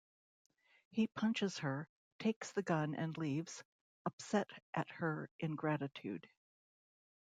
He punches her, takes the gun and leaves - upset at her ingratitude.